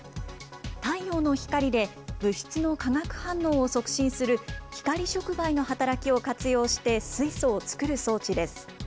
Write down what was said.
太陽の光で物質の化学反応を促進する、光触媒の働きを活用して水素を作る装置です。